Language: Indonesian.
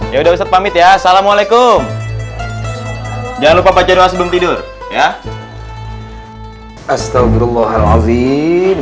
ya udah pamit ya assalamualaikum jangan lupa pacar sebelum tidur ya astagfirullahaladzim